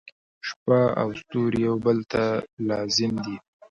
• شپه او ستوري یو بل ته لازم دي.